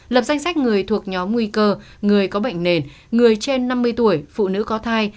lập danh sách người thuộc nhóm nguy cơ người có bệnh nền người trên năm mươi tuổi phụ nữ có thai